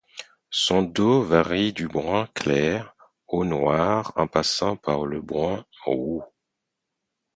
Son dos varie du brun clair au noir en passant par le brun roux.